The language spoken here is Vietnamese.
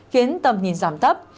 khiến tầm nhìn giảm thấp